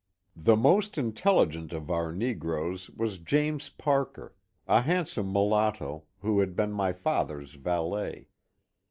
The most intelligent of our negroes was James Parker, a handsome mulatto, who had been my father's valet.